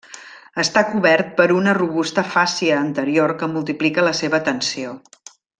Està cobert per una robusta fàscia anterior que multiplica la seva tensió.